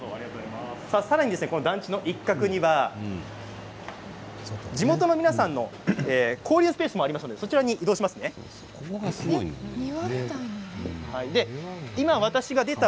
さらに団地の一画にある地元の皆さんの交流スペースもありますので庭みたいなのがある。